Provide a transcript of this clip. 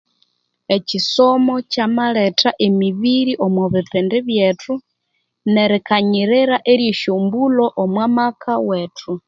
Ekyisomo kyamaletha emibiri omo bipindi byethu, nerikanyirira erye esyo mbulho omwa maka wethu.